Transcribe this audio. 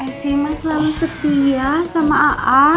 eh sih mah selalu setia sama a'a